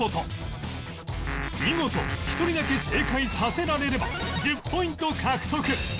見事１人だけ正解させられれば１０ポイント獲得